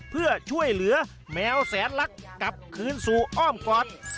เพื่อช่วยเหลือแมวแสนลักษณ์กลับคืนสู่อ้อมกอด